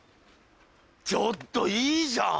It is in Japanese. ちょっといいじゃん！